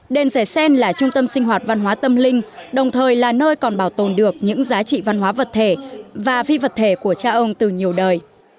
đền giải sen là trung tâm sinh hoạt văn hóa tâm linh đồng thời là nơi còn bảo tồn được những giá trị văn hóa vật thể và phi vật thể của cha ông từ nhiều đời